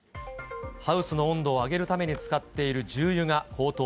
ハウスの温度を上げるために使っている重油が高騰。